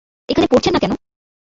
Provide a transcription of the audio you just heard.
এখানে পড়ছেন না কেন?